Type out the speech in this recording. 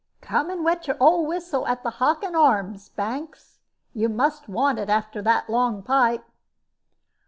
"Come and wet your old whistle at the 'Hockin Arms,' Banks. You must want it, after that long pipe."